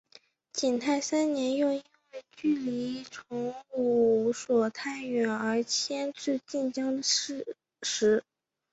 景泰三年又因为距离崇武所太远而迁到晋江石狮。